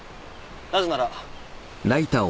なぜなら。